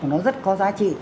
nó rất có giá trị